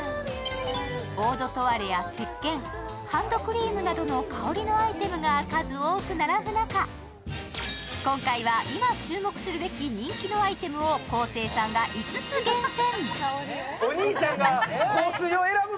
オードトワレやせっけん、ハンドクリームなどの香りのアイテムが数多く並ぶ中、今回は今注目するべき人気のアイテムを昴生さんが５つ厳選。